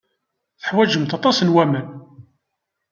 Teḥwajemt aṭas n waman.